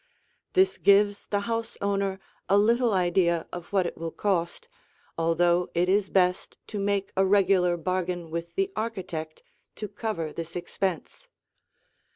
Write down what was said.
This gives the house owner a little idea of what it will cost, although it is best to make a regular bargain with the architect to cover this expense.